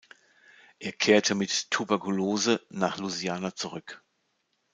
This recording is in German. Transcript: Er kehrte mit Tuberkulose nach Louisiana zurück.